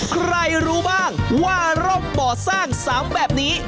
รู้บ้างว่าร่องบ่อสร้าง๓แบบนี้